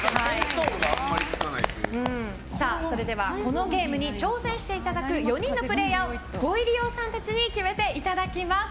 このゲームに挑戦していただく４人のプレーヤーをご入り用さんたちに決めていただきます。